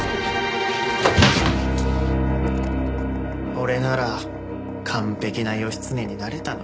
俺なら完璧な義経になれたのに。